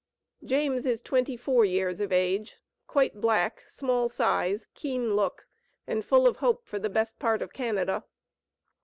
James is twenty four years of age, quite black, small size, keen look, and full of hope for the "best part of Canada."